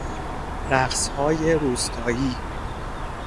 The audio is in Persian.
رقصهای روستایی